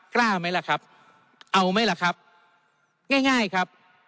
กล้าไหมล่ะครับเอาไหมล่ะครับง่ายง่ายครับ